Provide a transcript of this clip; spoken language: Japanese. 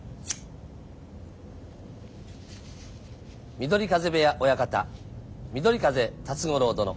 緑風部屋親方緑風立五郎殿